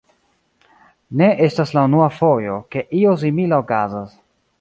Ne estas la unua fojo, ke io simila okazas.